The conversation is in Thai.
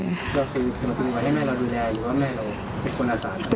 แล้วคือเธอมาดูแลให้แม่เราดูแลหรือว่าแม่เราเป็นคนอาสา